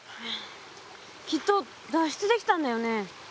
きっと脱出できたんだよね？